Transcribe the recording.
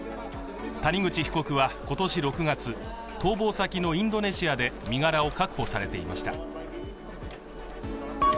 谷口被告は今年６月、逃亡先のインドネシアで身柄を確保されていました。